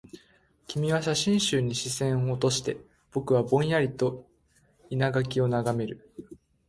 君は写真集に視線を落として、僕はぼんやりと生垣を眺める